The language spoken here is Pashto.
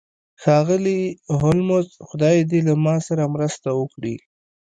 ښاغلی هولمز خدای دې له ما سره مرسته وکړي